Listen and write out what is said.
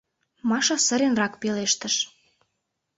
— Маша сыренрак пелештыш.